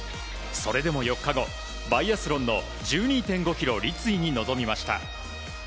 それでも４日後、バイアスロンの１２．５ｋｍ立位に臨みました。